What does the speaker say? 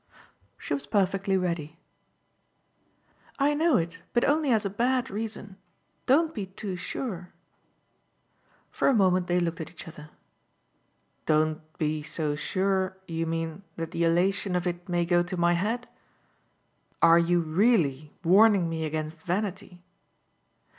She was perfectly ready. "I know it, but only as a bad reason. Don't be too sure!" For a moment they looked at each other. "Don't be so sure, you mean, that the elation of it may go to my head? Are you really warning me against vanity?"